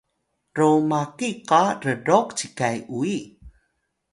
ro maki qa rroq cikay uyi